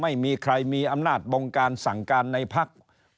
ไม่มีใครมีอำนาจบงการสั่งการในพัก